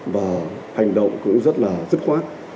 và hành động cũng rất là dứt khoát